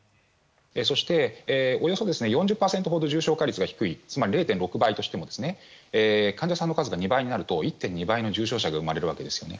そして、およそ４０％ほど重症化率が低いつまり０．６倍としても患者さんの数が２倍になると１．２倍の重症者が生まれるわけです。